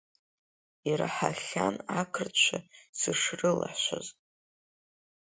Ираҳахьан ақырҭцәа сышрылашәаз.